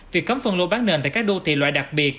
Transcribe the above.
việc cấm phân lô bán nền tại các đô thị loại đặc biệt